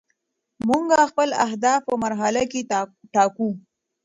موږ خپل اهداف په مرحله کې ټاکو.